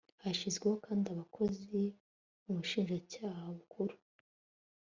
hashyizweho kandi abakozi mu bushinjacyaha bukuru